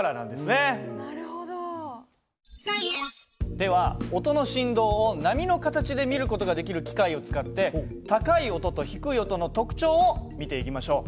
では音の振動を波の形で見る事ができる機械を使って高い音と低い音の特徴を見ていきましょう。